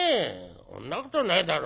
「そんなことないだろ。